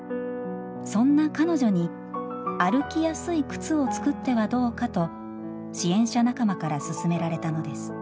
そんな彼女に歩きやすい靴を作ってはどうかと支援者仲間から勧められたのです。